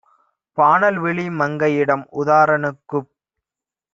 பானல்விழி மங்கையிடம் "உதார னுக்குப்